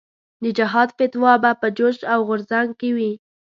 د جهاد فتوا به په جوش او غورځنګ کې وي.